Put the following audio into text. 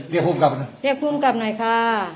เรียกผู้กลับหน่อยเรียกผู้กลับหน่อยค่ะ